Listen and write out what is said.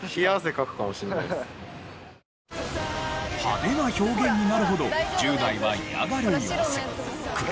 派手な表現になるほど１０代は嫌がる様子。